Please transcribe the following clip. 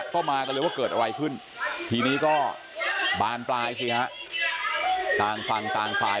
ก็มากันเลยว่าเกิดอะไรขึ้นทีนี้ก็บานปลายสิฮะต่างฝั่งต่างฝ่าย